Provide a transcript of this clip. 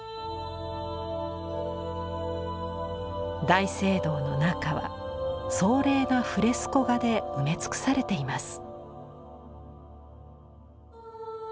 大聖堂の中は壮麗なフレスコ画で埋め尽くされています。